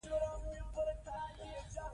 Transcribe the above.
یو کس باید ټول بازار ونلري.